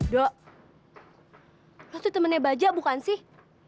do lo tuh temennya baja bukan sih